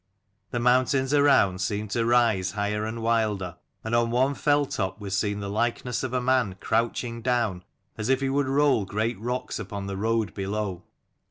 The mountains around seemed to rise higher and wilder, and on one fell top was seen the likeness of a man crouching down, as if he would roll great rocks upon the road below.